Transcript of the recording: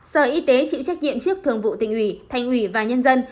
sở y tế chịu trách nhiệm trước thường vụ tình ủy thanh ủy và nhân dân